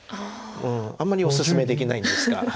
あんまりおすすめできないんですが。